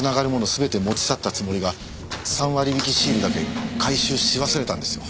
全て持ち去ったつもりが３割引シールだけ回収し忘れたんですよ。